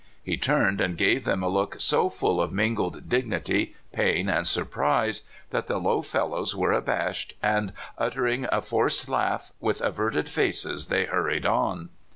He turned and gave them a look so full of mingled dignity, pain, and surprise that the low fellows were abashed, and uttering a forced laugh, with averted faces they hurried on.